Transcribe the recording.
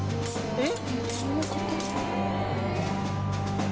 えっ！？